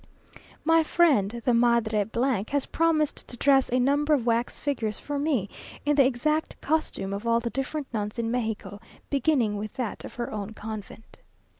My friend, the Madre , has promised to dress a number of wax figures for me, in the exact costume of all the different nuns in Mexico, beginning with that of her own convent.